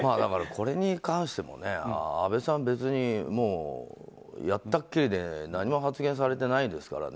これに関しても安倍さん別にやったきりで何も発言されてないですからね。